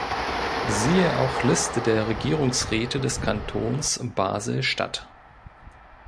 Siehe auch Liste der Regierungsräte des Kantons Basel-Stadt.